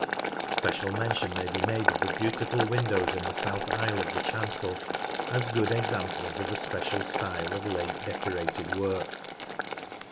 Special mention may be made of the beautiful windows in the south aisle of the chancel, as good examples of a special style of late Decorated work.